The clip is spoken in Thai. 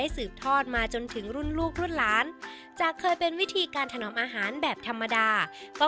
สืบทอดมาจนถึงรุ่นลูกรุ่นหลานจากเคยเป็นวิธีการถนอมอาหารแบบธรรมดาก็